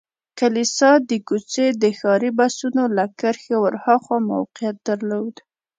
کلیسا د کوڅې د ښاري بسونو له کرښې ور هاخوا موقعیت درلود.